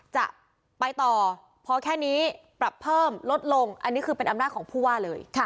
จะไปต่อพอแค่นี้ปรับเพิ่มลดลงอันนี้คือเป็นอำนาจของผู้ว่าเลย